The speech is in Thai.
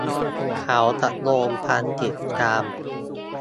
เขาจะโดนความผิดตาม